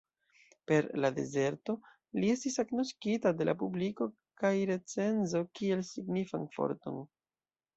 Per "La Dezerto" li estis agnoskita de la publiko kaj recenzo kiel signifan forton.